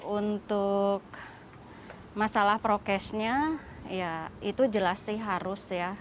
untuk masalah prokesnya ya itu jelas sih harus ya